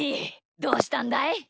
どうしたんだい？